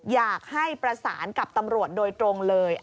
อยากให้ประสานกับตำรวจโดยตรงเลย